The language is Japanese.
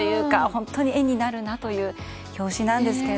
本当に画になるなという表紙なんですが。